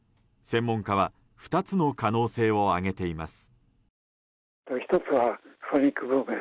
専門家は２つの可能性を挙げています。